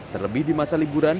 terlebih di masa liburan